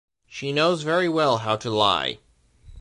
She knows very well how to lie.